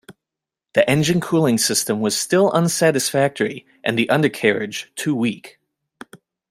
The engine cooling system was still unsatisfactory and the undercarriage too weak.